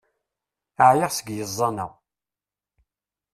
Ɛyiɣ seg yiẓẓan-a!